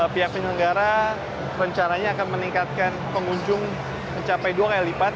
pihak penyelenggara rencananya akan meningkatkan pengunjung mencapai dua kali lipat